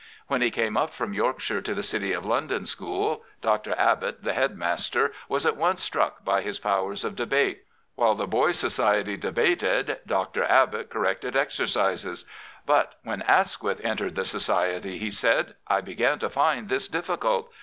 When he came up from Yorkshire to the City of London School, Dr. Abbott, the head master, was at once struck by his powers of debate. While the boys' society debated Dr. Abbott corrected exercises. But when Asquith entered the society," he said, " I began to find this difi&cult.